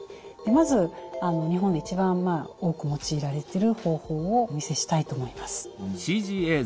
まず日本で一番多く用いられてる方法をお見せしたいと思います。